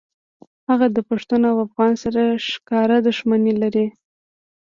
هغه د پښتون او افغان سره ښکاره دښمني لري